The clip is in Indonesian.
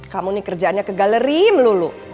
kamu ini kerjaannya ke galeriin lu lu